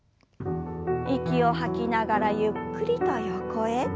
息を吐きながらゆっくりと横へ。